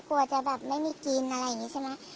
กลัวจะแบบไม่มีกินอะไรอย่างนี้ใช่ไหม